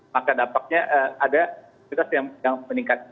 maka dapatnya ada imunitas yang meningkat